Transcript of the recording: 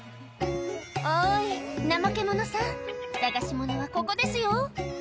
おーい、ナマケモノさん、探しものはここですよ。